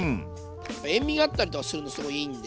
塩みがあったりとかするとすごいいいんで。